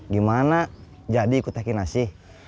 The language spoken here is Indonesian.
gimana jadi ikut teh kinasi